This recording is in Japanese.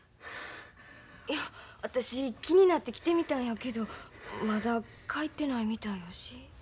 いや私気になって来てみたんやけどまだ帰ってないみたいやし。